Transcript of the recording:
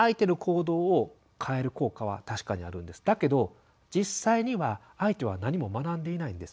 だけど実際には相手は何も学んでいないんです。